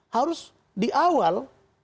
harus di awal